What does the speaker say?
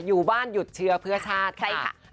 อยู่บ้านหยุดเชื้อเพื่อชาติใช่ค่ะ